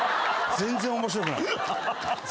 全然面白くない。